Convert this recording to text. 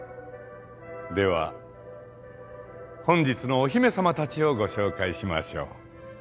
では本日のお姫さまたちをご紹介しましょう。